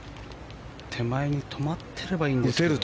手前に止まってればいいんですけど。